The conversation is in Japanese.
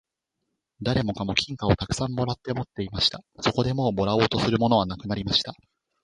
誰もかも金貨をたくさん貰って持っていました。そこでもう貰おうとするものはなくなりました。